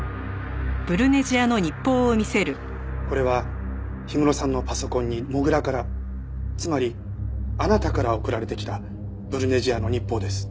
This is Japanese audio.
これは氷室さんのパソコンに土竜からつまりあなたから送られてきたブルネジアの日報です。